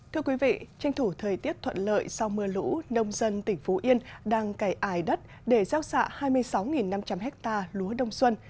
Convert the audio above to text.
thưa quý vị tranh thủ thời tiết thuận lợi sau mưa lũ nông dân tỉnh phú yên đang cày ải đất để gieo xạ hai mươi sáu năm trăm linh ha lúa đông xuân